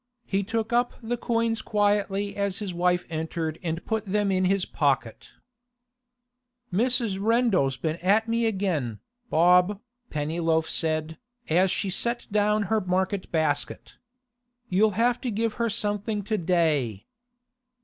He took up the coins quietly as his wife entered and put them in his pocket. 'Mrs. Rendal's been at me again, Bob,' Pennyloaf said, as she set down her market basket. 'You'll have to give her something to day.